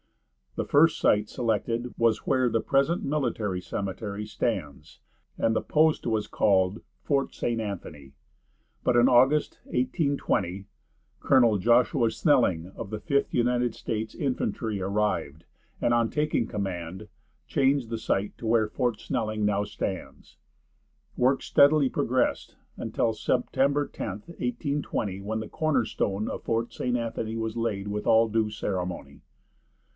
The first site selected was where the present military cemetery stands, and the post was called "Fort St. Anthony;" but in August, 1820, Colonel Joshua Snelling of the Fifth United States Infantry arrived, and, on taking command, changed the site to where Fort Snelling now stands. Work steadily progressed until Sept. 10, 1820, when the corner stone of Fort St. Anthony was laid with all due ceremony.